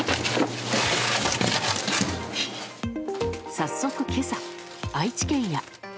早速今朝、愛知県や。